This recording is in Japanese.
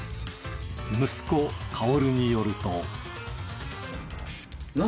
息子薫によると。